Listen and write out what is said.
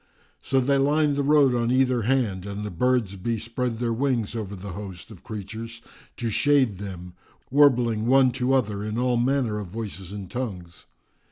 So they lined the road on either hand, and the birds bespread their wings over the host of creatures to shade them, warbling one to other in all manner of voices and tongues.